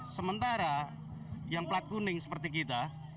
sementara yang plat kuning seperti kita